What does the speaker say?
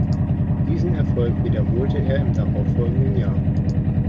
Diesen Erfolg wiederholte er im darauffolgenden Jahr.